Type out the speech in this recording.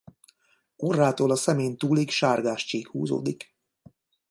Orrától a szemén túlig sárgás csík húzódik.